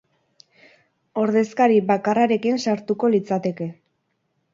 Ordezkari bakarrarekin sartuko litzateke.